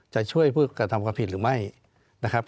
จะช่วยผู้กระทำความผิดหรือไม่นะครับ